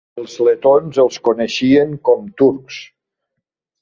El letons els coneixien com turcs.